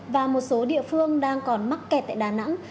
và một số địa phương đang còn mắc kẹt tại đà nẵng